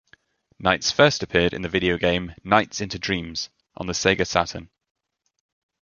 Nights first appeared in the video game "Nights into Dreams..." on the Sega Saturn.